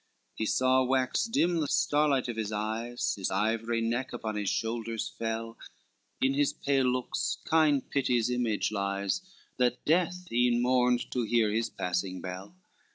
LXXXVI He saw wax dim the starlight of his eyes, His ivory neck upon his shoulders fell, In his pale looks kind pity's image lies, That death even mourned, to hear his passing bell.